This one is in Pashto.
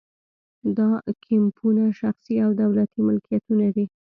دا کیمپونه شخصي او دولتي ملکیتونه دي